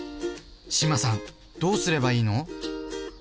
志麻さんどうすればいいの？